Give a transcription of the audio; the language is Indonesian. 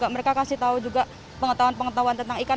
mereka kasih tahu juga pengetahuan pengetahuan tentang ikan